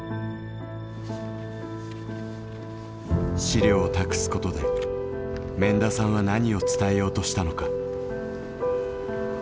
資料を託すことで免田さんは何を伝えようとしたのか。